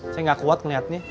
saya gak kuat ngeliatnya